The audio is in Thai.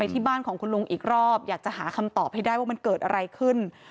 ที่บ้านของคุณลุงอีกรอบอยากจะหาคำตอบให้ได้ว่ามันเกิดอะไรขึ้น